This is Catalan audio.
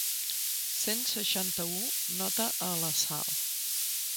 Cent seixanta-u nota a la Sal.